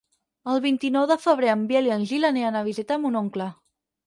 El vint-i-nou de febrer en Biel i en Gil aniran a visitar mon oncle.